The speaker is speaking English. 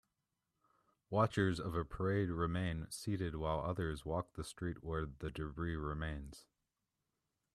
Watchers of a parade remain seated while others walk the street where the debris remains.